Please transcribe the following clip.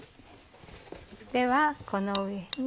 ではこの上に。